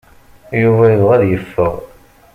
Yuba yebɣa ad yeffeɣ.